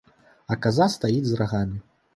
А каза стаіць з рагамі!